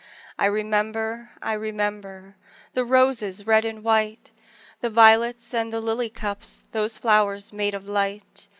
I remember, I remember The roses red and white, The violets and the lily cups Those flowers made of light!